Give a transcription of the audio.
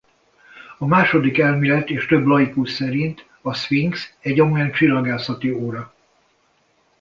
A második elmélet és több laikus szerint a Szfinx egy amolyan csillagászati óra.